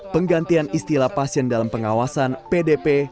penggantian istilah pasien dalam pengawasan pdp